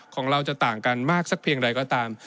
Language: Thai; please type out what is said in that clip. ของเราจะต่างกันมากสักเพียงใดก็ตาม